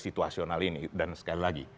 situasional ini dan sekali lagi